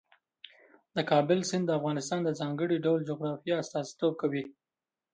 د کابل سیند د افغانستان د ځانګړي ډول جغرافیه استازیتوب کوي.